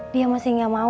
dia masih tidak mau